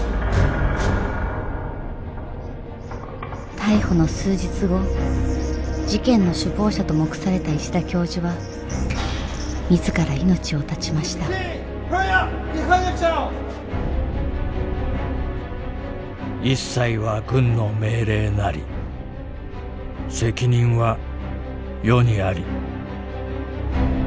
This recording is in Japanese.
逮捕の数日後事件の首謀者と目された石田教授は自ら命を絶ちました「一切は軍の命令なり責任は余にあり」。